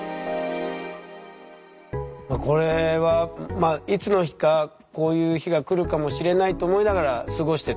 これはいつの日かこういう日がくるかもしれないと思いながら過ごしてた？